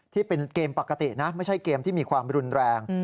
ที่เป็นเกมปกตินะไม่ใช่เกมที่มีความรุนแรง